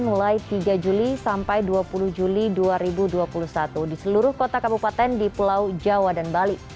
mulai tiga juli sampai dua puluh juli dua ribu dua puluh satu di seluruh kota kabupaten di pulau jawa dan bali